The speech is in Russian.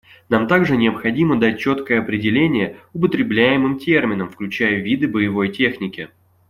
Нам также необходимо дать четкое определение употребляемым терминам, включая виды боевой техники.